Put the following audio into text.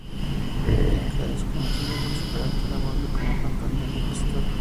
Tika es conocida por su carácter amable como cantante y compositora.